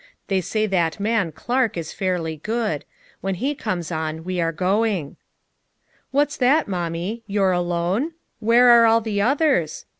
They say that man, Clark, is fairly good; when he comes on, we are going.* "What's that, Mommie? You're alone? Where are all the others?